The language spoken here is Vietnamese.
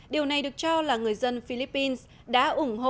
điều này được cho là người dân philippines đã ủng hộ